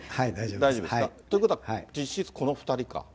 大丈夫ですか？ということは、実質、この２人か。